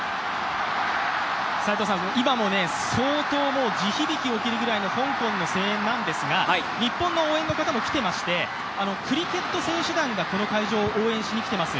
今も相当、地響き起きるぐらいの香港の声援なんですけど日本の応援の方も来ていましてクリケット選手団がこの会場に応援しに来ています。